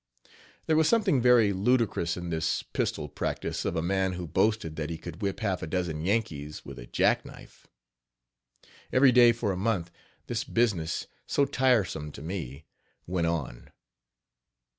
There was something very ludicrous in this pistol practice of a man who boasted that he could whip half a dozen Yankees with a jacknife. Every day for a month this business, so tiresome to me, went on.